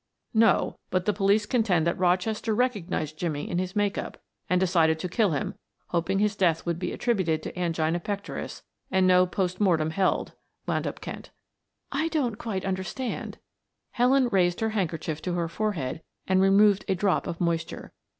"No, but the police contend that Rochester recognized Jimmie in his make up and decided to kill him; hoping his death would be attributed to angina pectoris, and no post mortem held," wound up Kent. "I don't quite understand" Helen raised her handkerchief to her forehead and removed a drop of moisture.